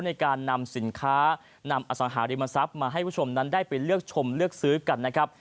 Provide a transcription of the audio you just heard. ในการนำสินค้านำอสังหาริมทรัพย์มาให้ผู้ชมนั้นได้ไปเลือกชมเลือกซื้อกันนะครับ